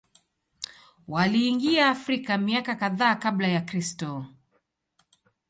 Waliingia Afrika miaka kadhaa Kabla ya Kristo.